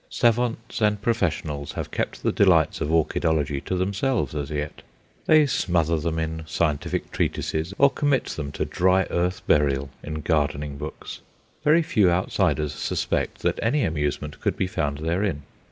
Savants and professionals have kept the delights of orchidology to themselves as yet. They smother them in scientific treatises, or commit them to dry earth burial in gardening books. Very few outsiders suspect that any amusement could be found therein.